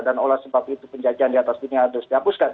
dan oleh sebab itu penjajahan di atas dunia ada